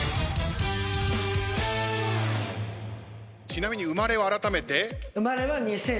ちなみに生まれはあらためて。